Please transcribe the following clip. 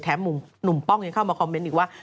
หนุ่มป้องยังเข้ามาคอมเมนต์อีกว่า